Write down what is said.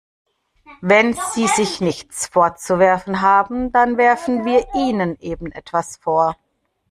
Wenn Sie sich nichts vorzuwerfen haben, dann werfen wir Ihnen eben etwas vor.